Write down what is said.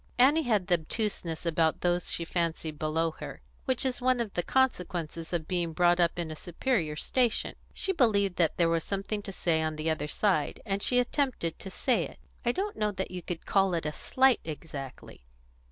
Annie had the obtuseness about those she fancied below her which is one of the consequences of being brought up in a superior station. She believed that there was something to say on the other side, and she attempted to say it. "I don't know that you could call it a slight exactly.